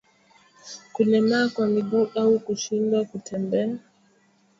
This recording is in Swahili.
Kulemaa kwa miguu au kushindwa kutembea